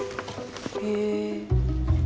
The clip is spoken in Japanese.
へえ。